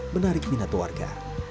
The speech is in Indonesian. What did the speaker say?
menarik minat warga